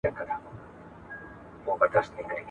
د نارينه وو سره له اختلاط څخه ډډه کول.